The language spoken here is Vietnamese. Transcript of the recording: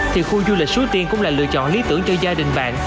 thì khu du lịch suối tiên cũng là lựa chọn lý tưởng cho gia đình bạn